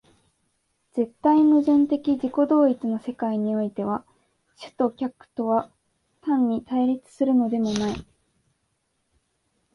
絶対矛盾的自己同一の世界においては、主と客とは単に対立するのでもない。